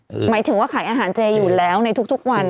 หมายถึงว่าขายอาหารเจอยู่แล้วในทุกวัน